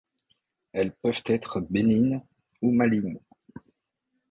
Elles peuvent être bénignes ou malignes.